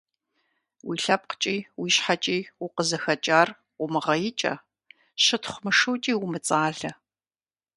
Уи лъэпкъкӀи уи щхьэкӀи укъызыхэкӀар умыгъэикӀэ, щытхъу мышукӀи умыцӀалэ.